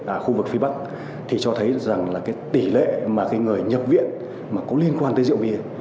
ở khu vực phía bắc thì cho thấy rằng tỷ lệ mà người nhập viện có liên quan tới rượu bia